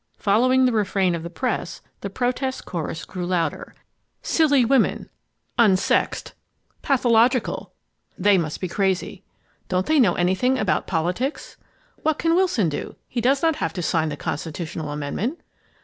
Following the refrain of the press, the protest chorus grew louder. "Silly women" ... "unsexed" ..." pathological" ... "They must be crazy" ... "Don't they know anything about politics?" ... "What can Wilson do? He does not have to sign the constitutional amendment."